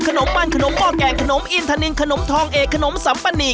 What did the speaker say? ขนมปั้นขนมกอกแก่ขนมอินทรรขนมทองเอกขนมสัตว์ป้านเนีย